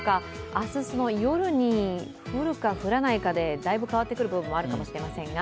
明日、夜に降るか降らないかでだいぶ変わってくる部分もあるかもしれませんが。